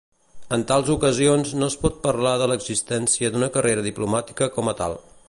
En tals ocasions no es pot parlar de l'existència d'una carrera diplomàtica com a tal.